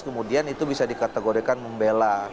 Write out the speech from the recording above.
kemudian itu bisa dikategorikan membela